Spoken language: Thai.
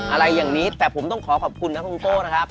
อะไรอย่างนี้แต่ผมต้องขอขอบคุณนะคุณโต้นะครับ